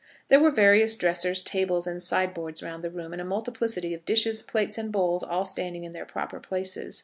There were various dressers, tables, and sideboards round the room, and a multiplicity of dishes, plates, and bowls, all standing in their proper places.